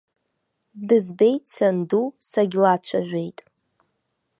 Дызбеит санду, сагьлацәажәеит.